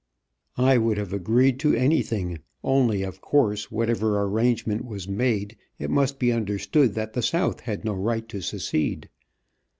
I would have agreed to anything, only, of course, whatever arrangement was made, it must be understood that the South had no right to secede.